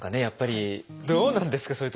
やっぱりどうなんですか？